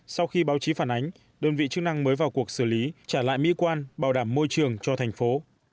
sau khi báo chí phản ánh đơn vị chức năng mới vào cuộc xử lý trả lại mỹ quan bảo đảm môi trường cho thành phố